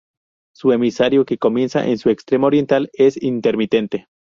Su emisario, que comienza en su extremo oriental, es intermitente.